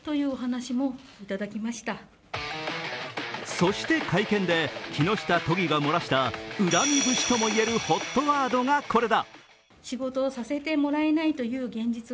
そして会見で木下都議が漏らした恨み節ともいえるＨＯＴワードがこれだ。